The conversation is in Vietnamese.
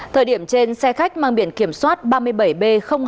thời điểm trên xe khách mang biển kiểm soát ba mươi bảy b hai nghìn tám trăm linh sáu